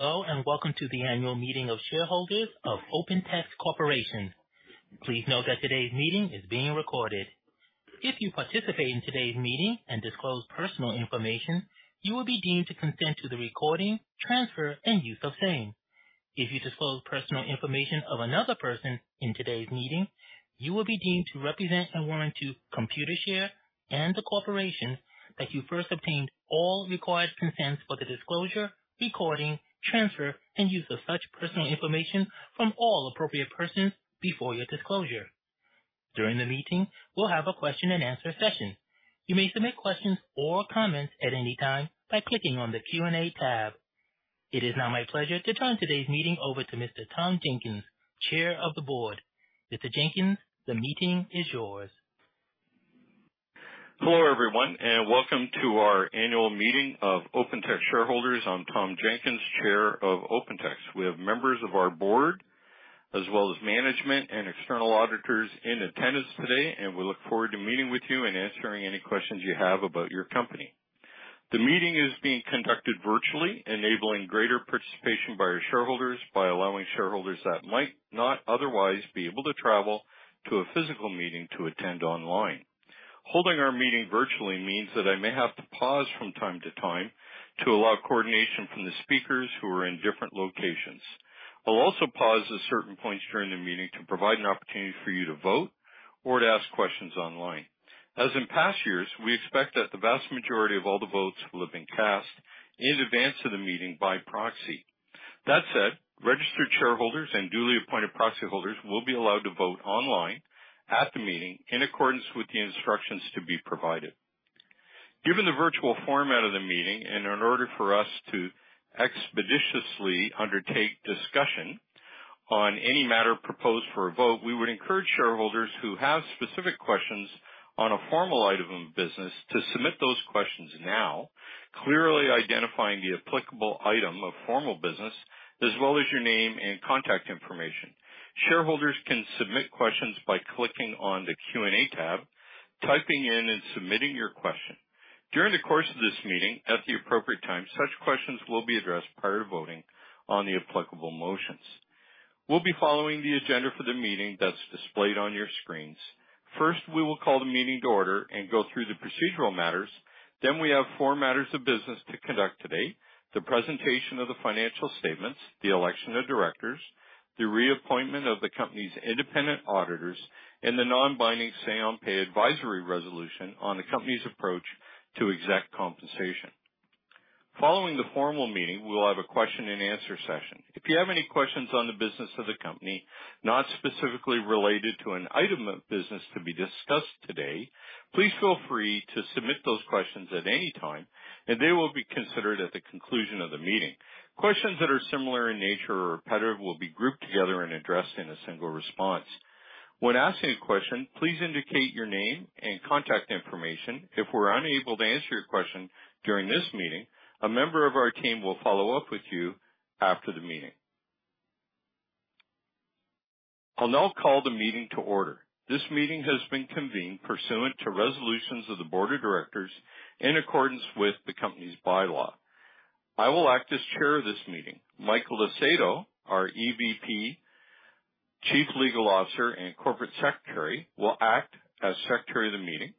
Hello, and welcome to the annual meeting of shareholders of OpenText Corporation. Please note that today's meeting is being recorded. If you participate in today's meeting and disclose personal information, you will be deemed to consent to the recording, transfer, and use of same. If you disclose personal information of another person in today's meeting, you will be deemed to represent and warrant to Computershare and the corporation that you first obtained all required consents for the disclosure, recording, transfer, and use of such personal information from all appropriate persons before your disclosure. During the meeting, we'll have a question and answer session. You may submit questions or comments at any time by clicking on the Q&A tab. It is now my pleasure to turn today's meeting over to Mr. Tom Jenkins, Chair of the Board. Mr. Jenkins, the meeting is yours. Hello, everyone, and welcome to our annual meeting of OpenText shareholders. I'm Tom Jenkins, Chair of OpenText. We have members of our board, as well as management and external auditors in attendance today, and we look forward to meeting with you and answering any questions you have about your company. The meeting is being conducted virtually, enabling greater participation by our shareholders by allowing shareholders that might not otherwise be able to travel to a physical meeting to attend online. Holding our meeting virtually means that I may have to pause from time to time to allow coordination from the speakers who are in different locations. I'll also pause at certain points during the meeting to provide an opportunity for you to vote or to ask questions online. As in past years, we expect that the vast majority of all the votes will have been cast in advance of the meeting by proxy. That said, registered shareholders and duly appointed proxy holders will be allowed to vote online at the meeting, in accordance with the instructions to be provided. Given the virtual format of the meeting, and in order for us to expeditiously undertake discussion on any matter proposed for a vote, we would encourage shareholders who have specific questions on a formal item of business to submit those questions now, clearly identifying the applicable item of formal business, as well as your name and contact information. Shareholders can submit questions by clicking on the Q&A tab, typing in, and submitting your question. During the course of this meeting, at the appropriate time, such questions will be addressed prior to voting on the applicable motions. We'll be following the agenda for the meeting that's displayed on your screens. First, we will call the meeting to order and go through the procedural matters. Then we have four matters of business to conduct today: the presentation of the financial statements, the election of directors, the reappointment of the company's independent auditors, and the non-binding Say-on-Pay advisory resolution on the company's approach to exec compensation. Following the formal meeting, we will have a question and answer session. If you have any questions on the business of the company, not specifically related to an item of business to be discussed today, please feel free to submit those questions at any time, and they will be considered at the conclusion of the meeting. Questions that are similar in nature or repetitive will be grouped together and addressed in a single response. When asking a question, please indicate your name and contact information. If we're unable to answer your question during this meeting, a member of our team will follow up with you after the meeting. I'll now call the meeting to order. This meeting has been convened pursuant to resolutions of the board of directors in accordance with the company's bylaw. I will act as chair of this meeting. Michael F. Acedo, our EVP, Chief Legal Officer, and Corporate Secretary, will act as Secretary of the meeting,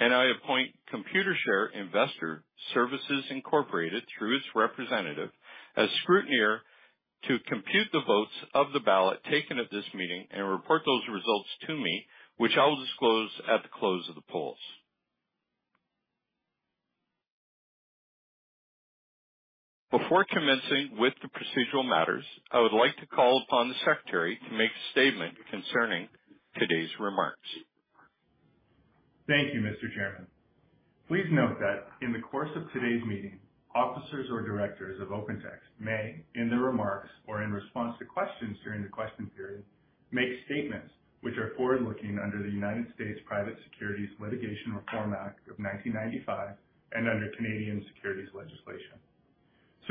and I appoint Computershare Investor Services, Incorporated, through its representative, as scrutineer to compute the votes of the ballot taken at this meeting and report those results to me, which I will disclose at the close of the polls. Before commencing with the procedural matters, I would like to call upon the Secretary to make a statement concerning today's remarks. Thank you, Mr. Chairman. Please note that in the course of today's meeting, officers or directors of OpenText may, in their remarks or in response to questions during the question period, make statements which are forward-looking under the United States Private Securities Litigation Reform Act of 1995 and under Canadian securities legislation.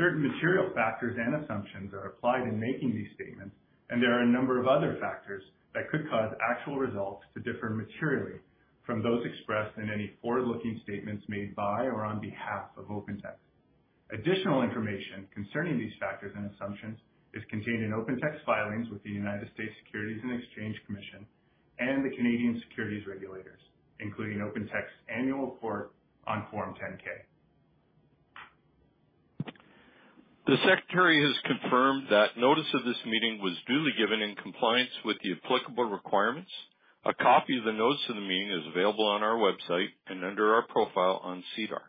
Certain material factors and assumptions are applied in making these statements, and there are a number of other factors that could cause actual results to differ materially from those expressed in any forward-looking statements made by or on behalf of OpenText. Additional information concerning these factors and assumptions is contained in OpenText filings with the United States Securities and Exchange Commission and the Canadian Securities Regulators, including OpenText's annual report on Form 10-K. The secretary has confirmed that notice of this meeting was duly given in compliance with the applicable requirements. A copy of the notice of the meeting is available on our website and under our profile on SEDAR.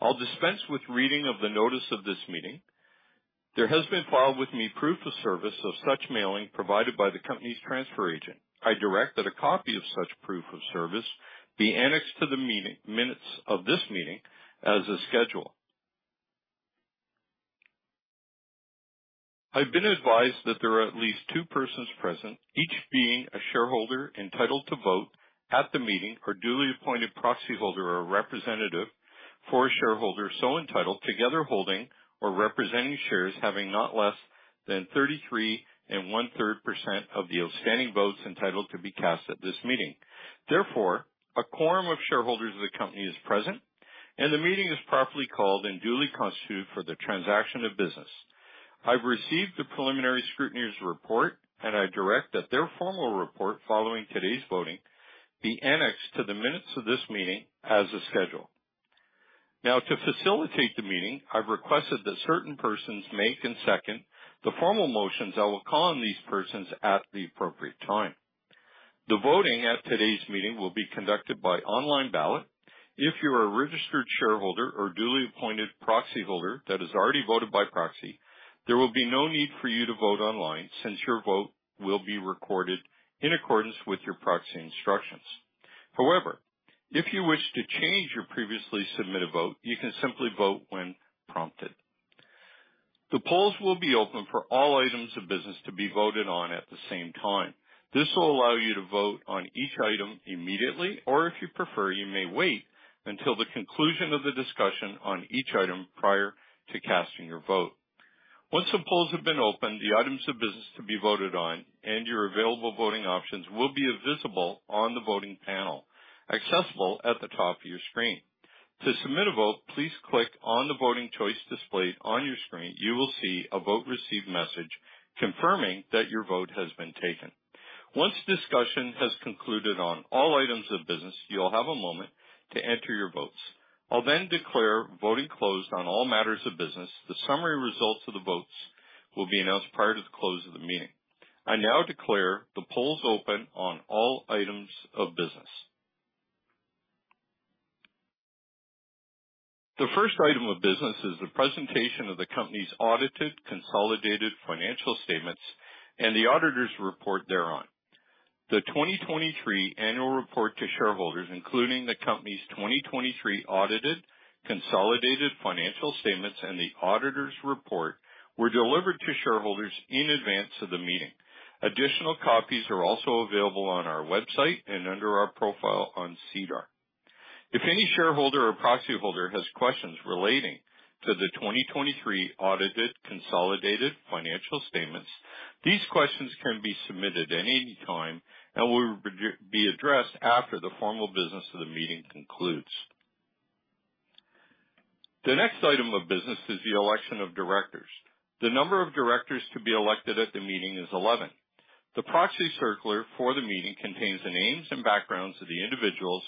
I'll dispense with reading of the notice of this meeting. There has been filed with me proof of service of such mailing provided by the company's transfer agent. I direct that a copy of such proof of service be annexed to the meeting minutes of this meeting as a schedule. I've been advised that there are at least two persons present, each being a shareholder entitled to vote at the meeting, or duly appointed proxyholder or representative for a shareholder so entitled, together holding or representing shares, having not less than 33 1/3% of the outstanding votes entitled to be cast at this meeting. Therefore, a quorum of shareholders of the company is present, and the meeting is properly called and duly constituted for the transaction of business. I've received the preliminary scrutineer's report, and I direct that their formal report, following today's voting, be annexed to the minutes of this meeting as a schedule. Now, to facilitate the meeting, I've requested that certain persons make and second the formal motions. I will call on these persons at the appropriate time. The voting at today's meeting will be conducted by online ballot. If you are a registered shareholder or duly appointed proxyholder that has already voted by proxy, there will be no need for you to vote online, since your vote will be recorded in accordance with your proxy instructions. However, if you wish to change your previously submitted vote, you can simply vote when prompted. The polls will be open for all items of business to be voted on at the same time. This will allow you to vote on each item immediately, or if you prefer, you may wait until the conclusion of the discussion on each item prior to casting your vote. Once the polls have been opened, the items of business to be voted on and your available voting options will be visible on the voting panel, accessible at the top of your screen. To submit a vote, please click on the voting choice displayed on your screen. You will see a Vote Received message confirming that your vote has been taken. Once discussion has concluded on all items of business, you'll have a moment to enter your votes. I'll then declare voting closed on all matters of business. The summary results of the votes will be announced prior to the close of the meeting. I now declare the polls open on all items of business. The first item of business is the presentation of the company's audited consolidated financial statements and the auditor's report thereon. The 2023 annual report to shareholders, including the company's 2023 audited consolidated financial statements and the auditor's report, were delivered to shareholders in advance of the meeting. Additional copies are also available on our website and under our profile on SEDAR. If any shareholder or proxyholder has questions relating to the 2023 audited consolidated financial statements, these questions can be submitted at any time and will be addressed after the formal business of the meeting concludes. The next item of business is the election of directors. The number of directors to be elected at the meeting is 11. The Proxy Circular for the meeting contains the names and backgrounds of the individuals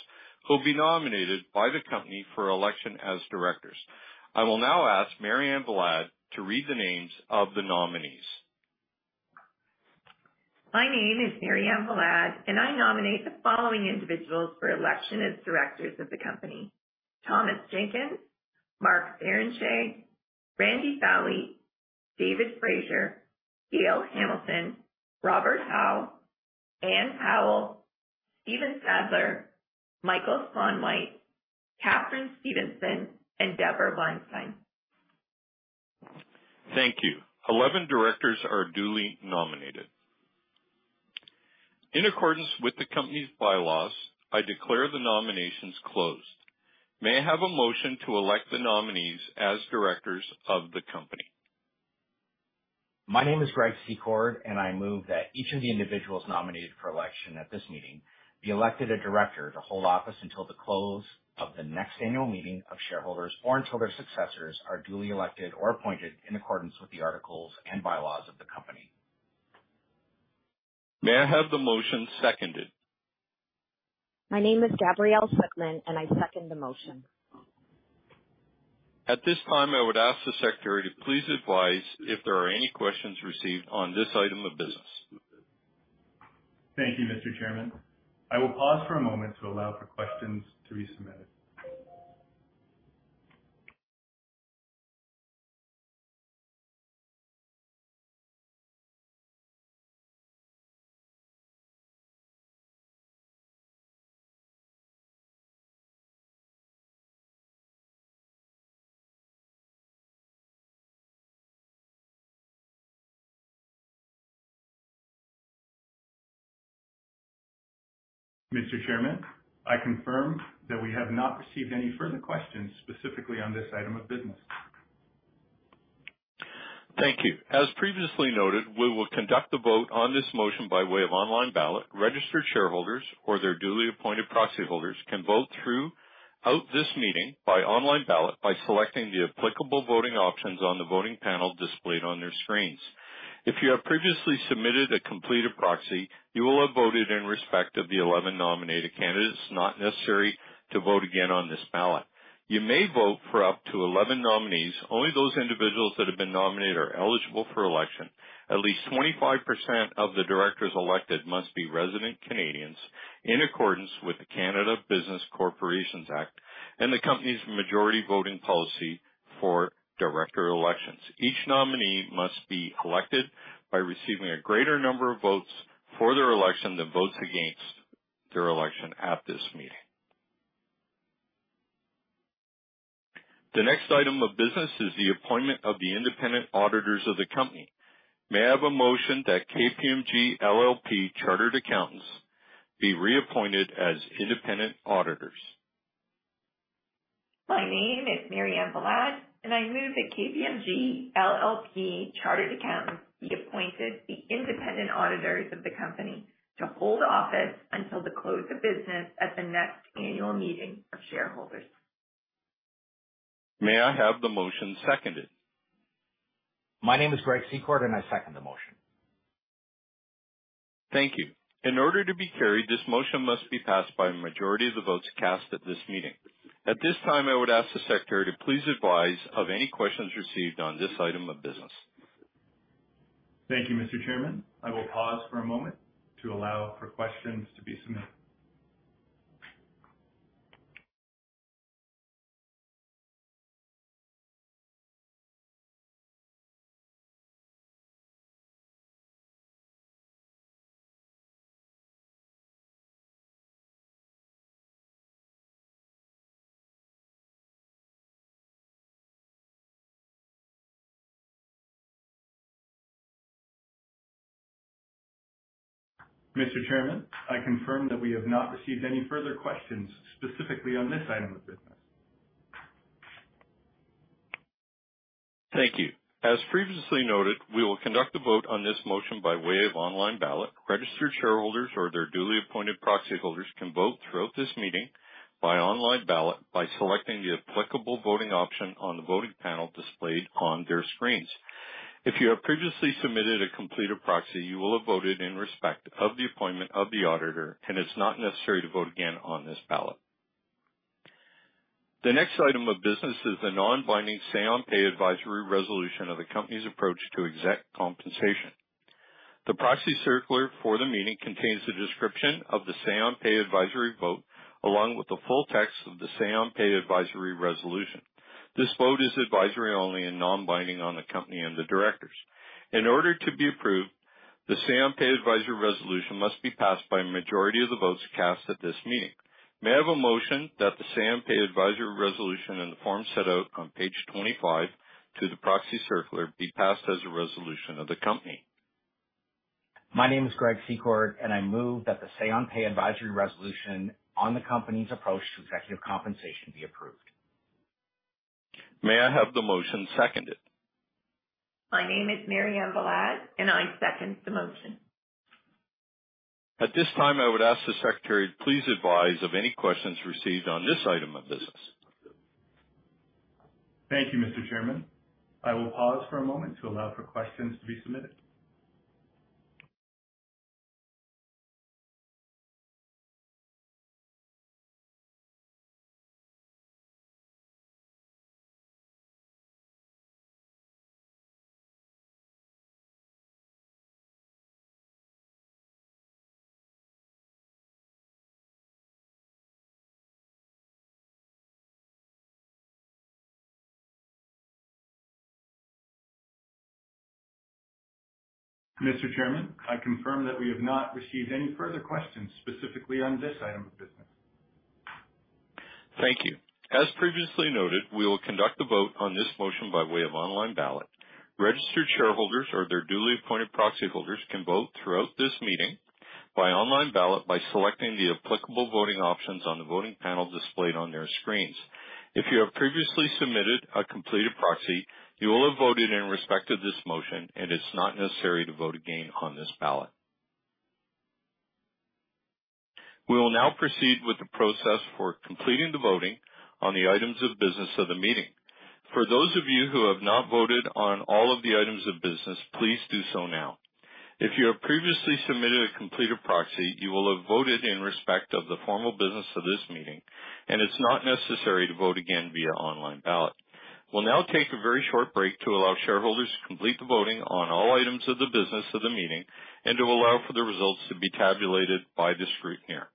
who will be nominated by the company for election as directors. I will now ask Mary Ann Valad to read the names of the nominees. My name is Mary Ann Valad, and I nominate the following individuals for election as directors of the company: Thomas Jenkins, Mark Barrenechea, Randy Fowlie, David Fraser, Gail Hamilton, Robert Hau, Ann Powell, Stephen Sadler, Michael Slaunwhite, Katharine Stevenson, and Deborah Weinstein. Thank you. 11 directors are duly nominated. In accordance with the company's bylaws, I declare the nominations closed. May I have a motion to elect the nominees as directors of the company? My name is Greg Secord, and I move that each of the individuals nominated for election at this meeting be elected a director to hold office until the close of the next annual meeting of shareholders or until their successors are duly elected or appointed in accordance with the articles and bylaws of the company. May I have the motion seconded? My name is Gabrielle Sukman, and I second the motion. At this time, I would ask the secretary to please advise if there are any questions received on this item of business. Thank you, Mr. Chairman. I will pause for a moment to allow for questions to be submitted. Mr. Chairman, I confirm that we have not received any further questions specifically on this item of business. Thank you. As previously noted, we will conduct the vote on this motion by way of online ballot. Registered shareholders or their duly appointed proxyholders can vote throughout this meeting by online ballot by selecting the applicable voting options on the voting panel displayed on their screens. If you have previously submitted a completed proxy, you will have voted in respect of the 11 nominated candidates. It's not necessary to vote again on this ballot. You may vote for up to 11 nominees. Only those individuals that have been nominated are eligible for election. At least 25% of the directors elected must be resident Canadians, in accordance with the Canada Business Corporations Act and the company's majority voting policy for director elections. Each nominee must be elected by receiving a greater number of votes for their election than votes against their election at this meeting. The next item of business is the appointment of the independent auditors of the company. May I have a motion that KPMG LLP Chartered Accountants be reappointed as independent auditors? My name is Mary Ann Valad, and I move that KPMG LLP Chartered Accountants be appointed the independent auditors of the company to hold office until the close of business at the next annual meeting of shareholders. May I have the motion seconded? My name is Greg Secord, and I second the motion. Thank you. In order to be carried, this motion must be passed by a majority of the votes cast at this meeting. At this time, I would ask the secretary to please advise of any questions received on this item of business. Thank you, Mr. Chairman. I will pause for a moment to allow for questions to be submitted. Mr. Chairman, I confirm that we have not received any further questions specifically on this item of business. Thank you. As previously noted, we will conduct a vote on this motion by way of online ballot. Registered shareholders or their duly appointed proxy holders can vote throughout this meeting by online ballot by selecting the applicable voting option on the voting panel displayed on their screens. If you have previously submitted a completed proxy, you will have voted in respect of the appointment of the auditor, and it's not necessary to vote again on this ballot. The next item of business is the non-binding Say-on-Pay advisory resolution of the company's approach to exec compensation. The Proxy Circular for the meeting contains a description of the Say-on-Pay advisory vote, along with the full text of the Say-on-Pay advisory resolution. This vote is advisory only and non-binding on the company and the directors. In order to be approved, the Say-on-Pay advisory resolution must be passed by a majority of the votes cast at this meeting. May I have a motion that the Say-on-Pay advisory resolution in the form set out on page 25 to the proxy circular be passed as a resolution of the company? My name is Greg Secord, and I move that the Say-on-Pay advisory resolution on the company's approach to executive compensation be approved. May I have the motion seconded? My name is Mary Ann Valad, and I second the motion. At this time, I would ask the secretary to please advise of any questions received on this item of business. Thank you, Mr. Chairman. I will pause for a moment to allow for questions to be submitted. Mr. Chairman, I confirm that we have not received any further questions specifically on this item of business. Thank you. As previously noted, we will conduct a vote on this motion by way of online ballot. Registered shareholders or their duly appointed proxy holders can vote throughout this meeting by online ballot by selecting the applicable voting options on the voting panel displayed on their screens. If you have previously submitted a completed proxy, you will have voted in respect of this motion, and it's not necessary to vote again on this ballot. We will now proceed with the process for completing the voting on the items of business of the meeting. For those of you who have not voted on all of the items of business, please do so now. If you have previously submitted a completed proxy, you will have voted in respect of the formal business of this meeting, and it's not necessary to vote again via online ballot. We'll now take a very short break to allow shareholders to complete the voting on all items of the business of the meeting and to allow for the results to be tabulated by the scrutineer.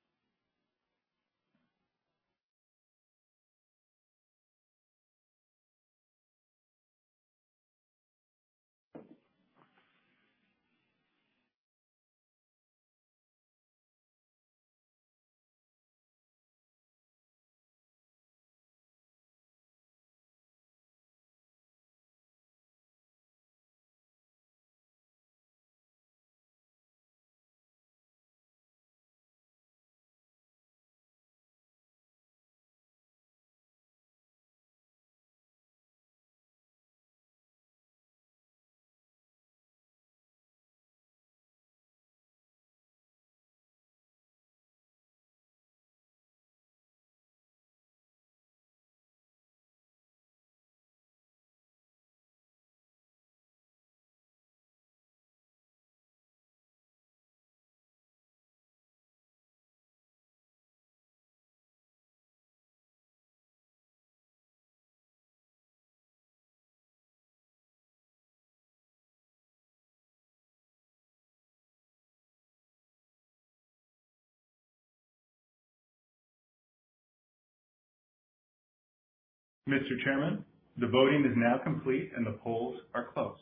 Mr. Chairman, the voting is now complete, and the polls are closed.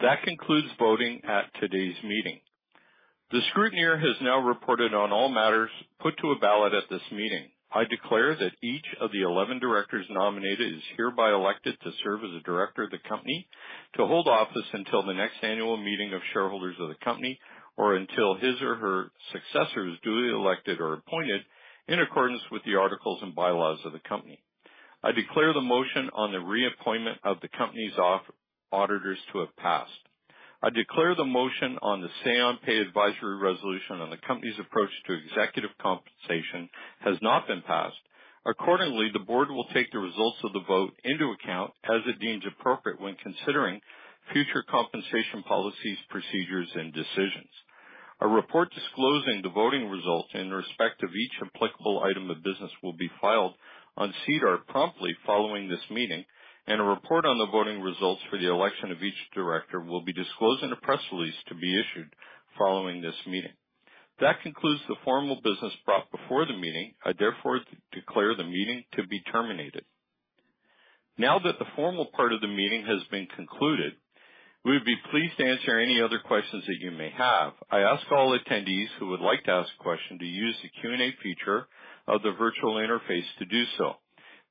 That concludes voting at today's meeting. The scrutineer has now reported on all matters put to a ballot at this meeting. I declare that each of the 11 directors nominated is hereby elected to serve as a director of the company to hold office until the next annual meeting of shareholders of the company, or until his or her successor is duly elected or appointed in accordance with the articles and bylaws of the company. I declare the motion on the reappointment of the company's auditors to have passed. I declare the motion on the Say-on-Pay advisory resolution on the company's approach to executive compensation has not been passed. Accordingly, the board will take the results of the vote into account as it deems appropriate when considering future compensation policies, procedures, and decisions. A report disclosing the voting results in respect of each applicable item of business will be filed on SEDAR promptly following this meeting, and a report on the voting results for the election of each director will be disclosed in a press release to be issued following this meeting. That concludes the formal business brought before the meeting. I therefore declare the meeting to be terminated. Now that the formal part of the meeting has been concluded, we would be pleased to answer any other questions that you may have. I ask all attendees who would like to ask a question to use the Q&A feature of the virtual interface to do so.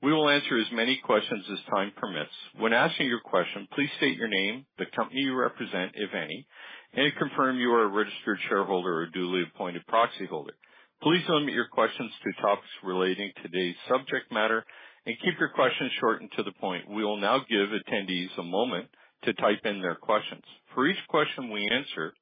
We will answer as many questions as time permits. When asking your question, please state your name, the company you represent, if any, and confirm you are a registered shareholder or duly appointed proxyholder. Please limit your questions to topics relating to today's subject matter and keep your questions short and to the point. We will now give attendees a moment to type in their questions. For each question we answer,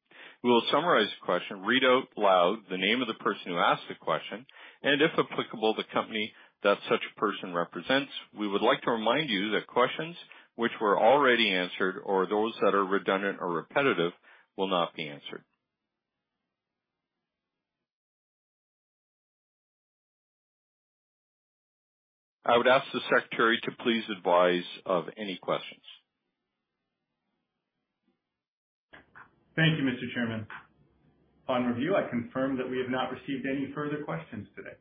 we will summarize the question, read out loud the name of the person who asked the question, and if applicable, the company that such person represents. We would like to remind you that questions which were already answered or those that are redundant or repetitive will not be answered. I would ask the secretary to please advise of any questions. Thank you, Mr. Chairman. On review, I confirm that we have not received any further questions today.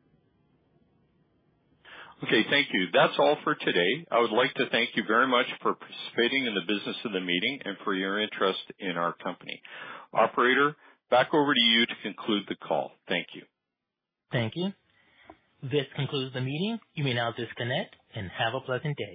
Okay, thank you. That's all for today. I would like to thank you very much for participating in the business of the meeting and for your interest in our company. Operator, back over to you to conclude the call. Thank you. Thank you. This concludes the meeting. You may now disconnect and have a pleasant day.